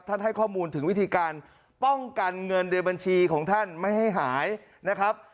ให้ข้อมูลถึงวิธีการป้องกันเงินในบัญชีของท่านไม่ให้หายนะครับ